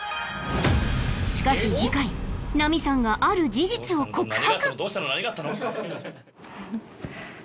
しかし次回ナミさんがある事実を告白